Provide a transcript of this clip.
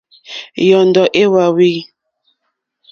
Yɔ́ndɔ̀ é wáwî.